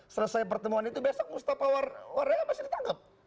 selesai pertemuan itu besok mustafa warga masih ditangkep